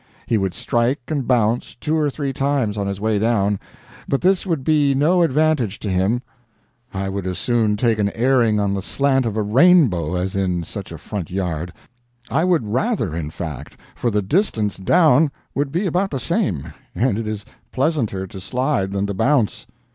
He would strike and bounce, two or three times, on his way down, but this would be no advantage to him. I would as soon take an airing on the slant of a rainbow as in such a front yard. I would rather, in fact, for the distance down would be about the same, and it is pleasanter to slide than to bounce.